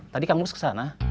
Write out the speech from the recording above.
tadi kang mus kesana